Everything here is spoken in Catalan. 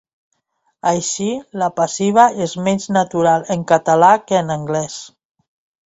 Així, la passiva és menys natural en català que en anglès.